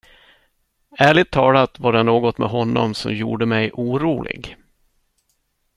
Ärligt talat, var det något med honom som gjorde mig orolig.